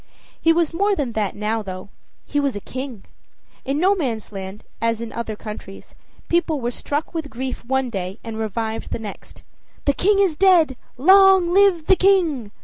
He was more than that now, though. He was a king. In Nomansland, as in other countries, the people were struck with grief one day and revived the next. "The king is dead long live the king!"